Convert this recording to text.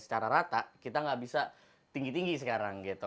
secara rata kita nggak bisa tinggi tinggi sekarang gitu